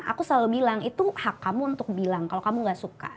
aku selalu bilang itu hak kamu untuk bilang kalau kamu gak suka